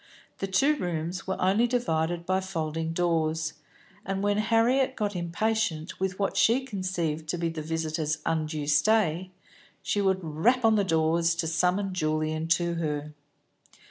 The two rooms were only divided by folding doors, and when Harriet got impatient with what she conceived to be the visitor's undue stay, she would rap on the doors, to summon Julian to her.